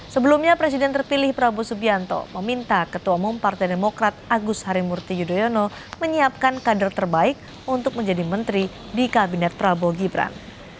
sebelumnya presiden terpilih prabowo subianto meminta ketua umum partai demokrat agus harimurti yudhoyono menyiapkan kader terbaik untuk menjadi menteri di kabinet prabowo gibran